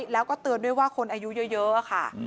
แล้วก็เตือนด้วยว่าคนอายุเยอะค่ะ